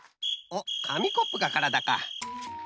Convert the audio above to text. おっかみコップがからだか。